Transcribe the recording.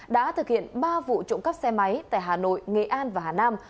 đã thực hiện ba vụ trộm cắp xe máy tại hà nội nghệ an và hà nam